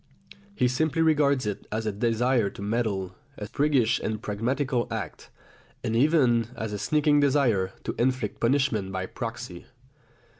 He simply regards it as a desire to meddle, a priggish and pragmatical act, and even as a sneaking desire to inflict punishment by proxy.